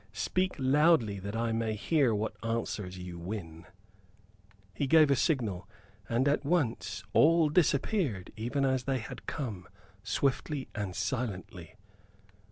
Speak loudly that I may hear what answers you win." He gave a signal, and at once all disappeared even as they had come, swiftly and silently.